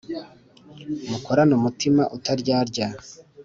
Kl mukorane umutima utaryarya